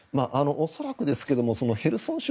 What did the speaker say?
恐らくですがヘルソン州